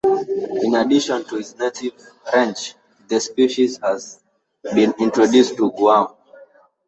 In addition to its native range, the species has been introduced to Guam.